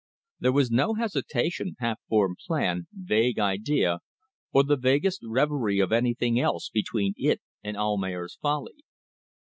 There was no hesitation, half formed plan, vague idea, or the vaguest reverie of anything else between it and "Almayer's Folly."